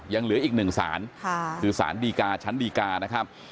ยังเหลืออีกหนึ่งสารคือสารดีกาชั้นดีกานะครับ